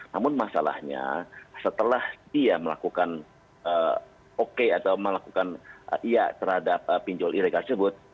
namun masalahnya setelah dia melakukan oke atau melakukan iya terhadap pinjol ilegal tersebut